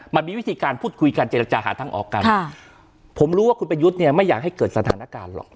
มันมีวิธีการพูดคุยการเจรจาหาทางออกกันผมรู้ว่าคุณประยุทธ์เนี่ยไม่อยากให้เกิดสถานการณ์หรอก